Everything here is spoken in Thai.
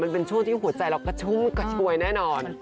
มันเป็นช่วงที่หัวใจเรากระชุ่มกระชวยแน่นอน